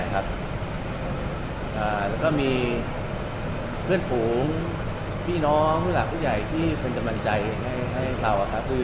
แล้วก็มีเพื่อนฝูงพี่น้องหลักผู้ใหญ่ที่ควรจะมั่นใจให้เรา